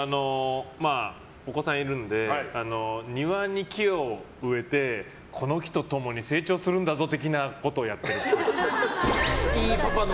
お子さんいるので庭に木を植えてこの木と共に成長するんだぞ的なことをいいパパの。